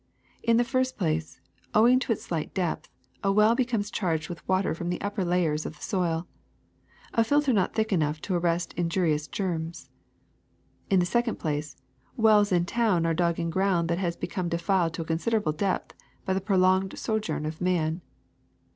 In the first place, owing to its slight depth, a well becomes charged with water from the upper layers of the soil, a filter not thick enough to arrest injurious germs. In the second place, wells in towns are dug in ground that has become defiled to a considerable depth by the prolonged sojourn of man.